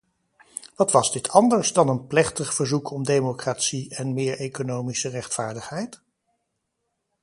Wat was dit anders dan een plechtig verzoek om democratie en meer economische rechtvaardigheid?